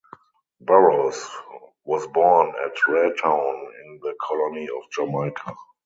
Burrowes was born at Rae Town in the Colony of Jamaica.